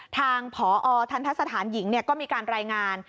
ทางผอทรรษฐานหญิงเนี่ยก็มีการรายงาน